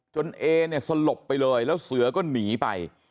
เอเนี่ยสลบไปเลยแล้วเสือก็หนีไป